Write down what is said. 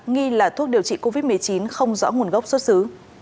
nghi là thuốc điều trị covid một mươi chín không rõ nguồn gốc xuất xứ